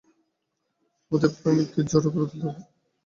আমাদের প্রাণকেই বড়ো করে তুলতে হবে।